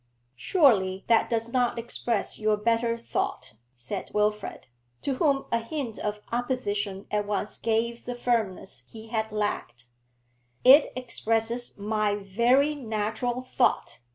'Surely that does not express your better thought,' said Wilfrid, to whom a hint of opposition at once gave the firmness he had lacked. 'It expresses my very natural thought.